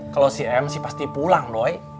kalau si m pasti pulang doi